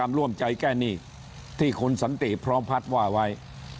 มหากรรมร่วมใจแก้หนี้ที่คุณสัณฑีพร้อมพลัทพ์ว่าไว้